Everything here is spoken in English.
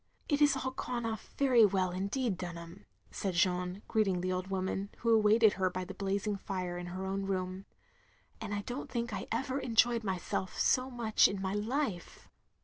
" It has all gone off very well, indeed, Dunham, " said Jeanne, greeting the old woman, who awaited her by the blazing fire in her own room. And I don't think I ever enjoyed myself so much in my Ufe."